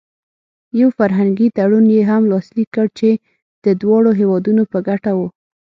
یو فرهنګي تړون یې هم لاسلیک کړ چې د دواړو هېوادونو په ګټه و.